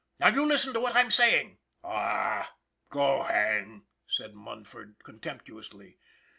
Now you listen to what I'm saying! " "Aw, go hang!" said Munford, contemptu ously.